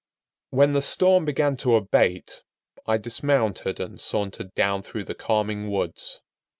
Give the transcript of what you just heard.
When the storm began to abate, I dismounted and sauntered down through the calming woods.